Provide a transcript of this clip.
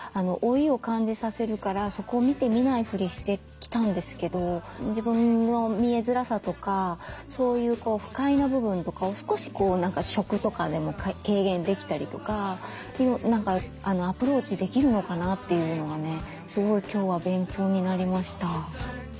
老いを感じさせるからそこを見て見ない振りして来たんですけど自分の見えづらさとかそういう不快な部分とかを少し「食」とかでも軽減できたりとかアプローチできるのかなっていうのがねすごい今日は勉強になりました。